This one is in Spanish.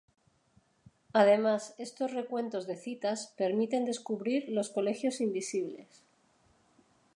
Además, estos recuentos de citas permiten descubrir los colegios invisibles.